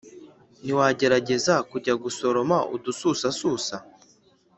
, ntiwagerageza kujya gusoroma udususasusa